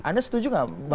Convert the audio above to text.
anda setuju gak